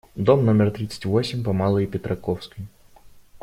Дом номер тридцать восемь по Малой Петраковской.